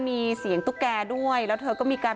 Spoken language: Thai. มีแต่เสียงตุ๊กแก่กลางคืนไม่กล้าเข้าห้องน้ำด้วยซ้ำ